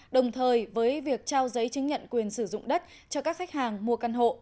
đồng thời với việc trao giấy chứng nhận quyền sử dụng đất cho các khách hàng mua căn hộ